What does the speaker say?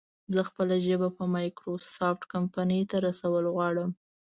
زه خپله ژبه په مايکروسافټ کمپنۍ ته رسول غواړم